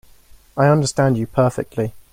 I understand you perfectly.